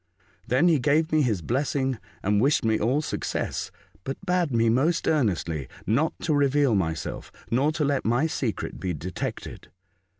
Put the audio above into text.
Then he gave me his blessing and wished me all success, but bade me most earnestly not to reveal myself, nor to let my secret be detected.